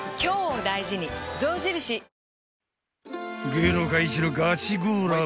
［芸能界一のガチゴーラー